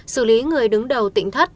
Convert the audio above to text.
xử lý người đứng đầu tỉnh thất